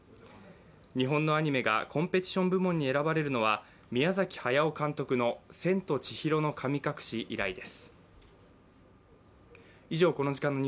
日本のアニメがコンペティション部門に選ばれるのは宮崎駿監督の「千と千尋の神隠し」以来です。